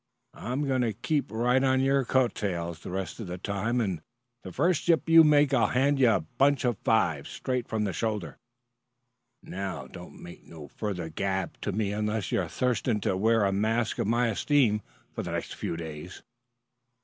I'm going to keep right on your co't tail the rest of the time, and the first yip you make I'll hand ye a bunch of fives straight from the shoulder. Now, don't make no further gab to me unless you're thirsting to wear a mark of my esteem for the next few days."